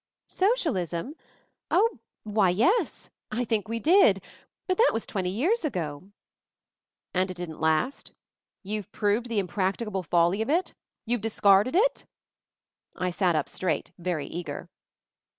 __ "Socialism? Oh — wny, yes. I think we did. But that was twenty years ago." "And it didn't last? You've proved the \ 40 MOVING THE MOUNTAIN impracticable folly of it? YouVe discarded it?" I sat up straight, very eager.